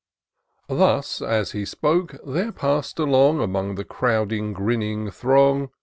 HUS as he spoke, there pass'd along. Among the crowding, grinning throng.